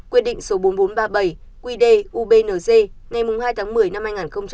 quy định số bốn nghìn bốn trăm ba mươi bảy quy đề ubnz ngày hai tháng một mươi năm hai nghìn hai mươi